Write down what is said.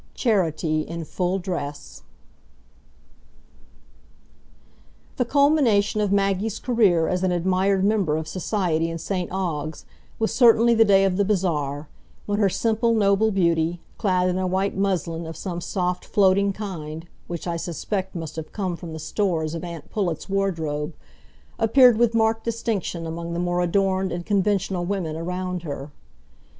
Charity in Full Dress The culmination of Maggie's career as an admired member of society in St Ogg's was certainly the day of the bazaar, when her simple noble beauty, clad in a white muslin of some soft floating kind, which I suspect must have come from the stores of aunt Pullet's wardrobe, appeared with marked distinction among the more adorned and conventional women around her.